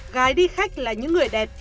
gái đi khách là những người đẹp